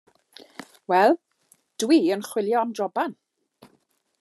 Wel, dwi yn chwilio am joban.